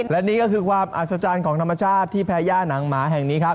และนี่ก็คือความอัศจรรย์ของธรรมชาติที่แพย่าหนังหมาแห่งนี้ครับ